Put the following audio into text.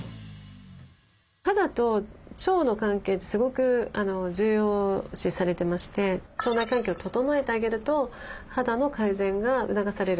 肌と腸の関係ってすごく重要視されてまして腸内環境を整えてあげると肌の改善が促される。